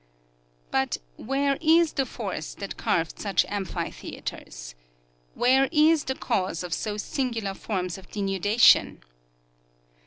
But where is the force that carved such amphitheaters ? Where is the cause of so singular forms of denudation?